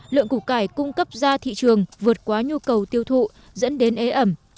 lượng củ cải cung cấp ra thị trường vượt quá nhu cầu tiêu thụ dẫn đến ế ẩm